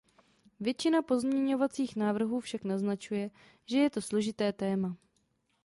Většina pozměňovacích návrhů však naznačuje, že je to složité téma.